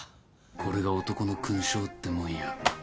これが男の勲章ってもんよ。